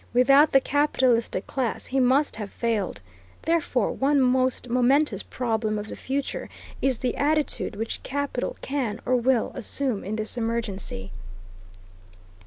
Without the capitalistic class he must have failed. Therefore one most momentous problem of the future is the attitude which capital can or will assume in this emergency.